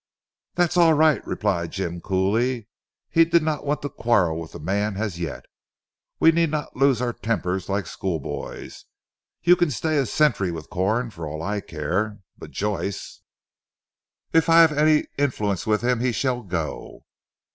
"That's all right," replied Jim coolly. He did not want to quarrel with the man as yet. "We need not lose our tempers like schoolboys. You can stay a century with Corn for all I care! But Joyce " "If I have any influence with him he shall go."